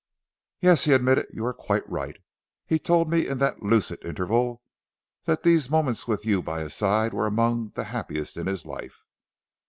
"Yes," he admitted, "you are quite right. He told me in that lucid interval that these moments with you by his side were among the happiest in his life."